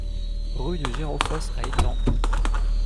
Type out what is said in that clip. Rue de Gérofosse à Étampes